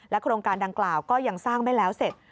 โครงการดังกล่าวก็ยังสร้างไม่แล้วเสร็จ